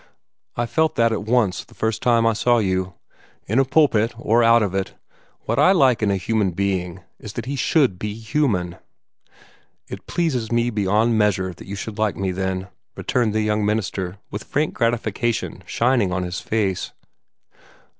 I felt that at once, the first time I saw you. In a pulpit or out of it, what I like in a human being is that he SHOULD be human." "It pleases me beyond measure that you should like me, then" returned the young minister, with frank gratification shining on his face.